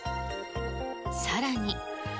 さらに。